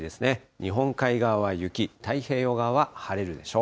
日本海側は雪、太平洋側は晴れるでしょう。